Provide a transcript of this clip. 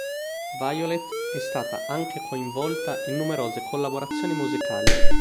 Violet è stata anche coinvolta in numerose collaborazioni musicali.